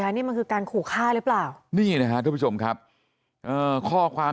นี่มันคือการขู่ฆ่าหรือเปล่านี่นะครับทุกผู้ชมครับข้อความ